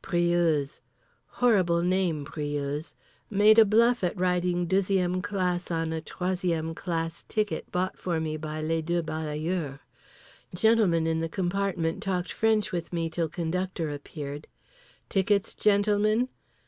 Briouse. Horrible name "Briouse." Made a bluff at riding deuxième classe on a troisième classe ticket bought for me by les deux balayeurs. Gentleman in the compartment talked French with me till conductor appeared. "Tickets, gentlemen?"